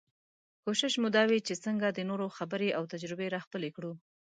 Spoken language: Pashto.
کوشش مو دا وي چې څنګه د نورو خبرې او تجربې راخپلې کړو.